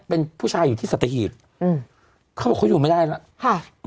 เป็นผู้ชายอยู่ที่สัตหีบอืมเขาบอกเขาอยู่ไม่ได้แล้วค่ะ